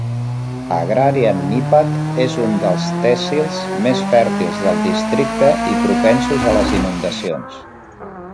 Agrarian Niphad és un dels tehsils més fèrtils del districte i propensos a les inundacions.